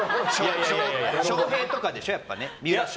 翔平とかでしょ。